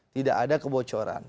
tidak ada kebocoran